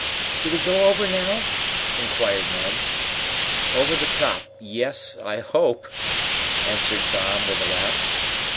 "Do we go over now?" inquired Ned. "Over the top yes, I hope," answered Tom, with a laugh.